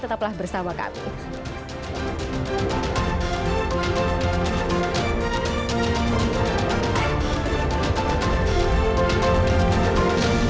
tetaplah bersama kami